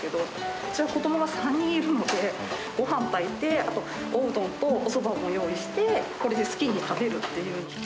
うちは子どもが３人いるので、ごはん炊いて、あとおうどんとおそばを用意して、これで好きに食べるっていう。